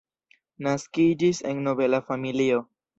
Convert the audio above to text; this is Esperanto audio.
Naskiĝis en nobela familio.